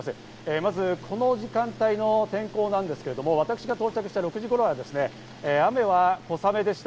まず、この時間帯の天候なんですけど、私が到着した６時頃は、雨は小雨でした。